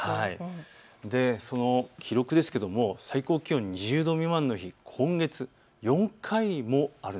その記録ですけども最高気温２０度未満の日今月４回もある。